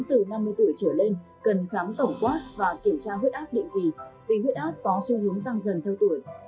từ năm mươi tuổi trở lên cần khám tổng quát và kiểm tra huyết áp định kỳ vì huyết áp có xu hướng tăng dần theo tuổi